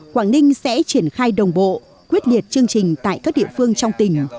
quảng ninh sẽ triển khai đồng bộ quyết liệt chương trình tại các địa phương trong tỉnh